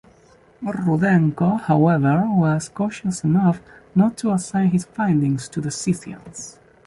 Rudenko, however, was cautious enough not to assign his findings to the Scythians.